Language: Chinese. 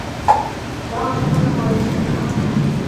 主要城镇为圣康坦。